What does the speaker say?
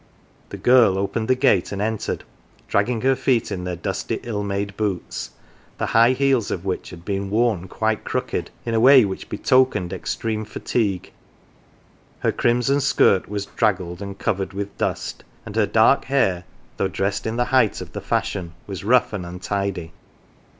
"" The girl opened the gate and entered, dragging her feet in their dusty, ill made boots the high heels of which had been worn quite crooked in a way which 86 GAFFER'S CHILD betokened extreme fatigue. Her crimson skirt was draggled and covered with dust, and her dark hair, though dressed in the height of the fashion, was rough and untidy.